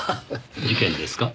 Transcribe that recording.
事件ですか？